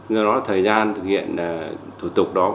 do đó thời gian thực hiện thủ tục đó